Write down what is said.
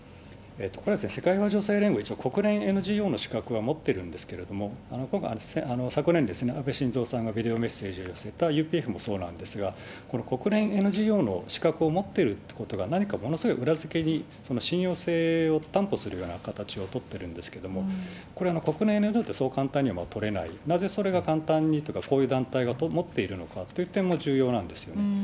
これは世界平和女性連合、国連ＮＧＯの資格は持ってるんですけれども、昨年、安倍晋三さんがビデオメッセージを寄せたＵＰＦもそうなんですが、この国連ＮＧＯの資格を持ってるということが、何かものすごい裏付けに、信用性を担保するような形を取っているんですけれども、これ、国連ＮＧＯってそう簡単には取れない、なぜそれが簡単に、こういう団体が持っているのかという点が重要なんですよね。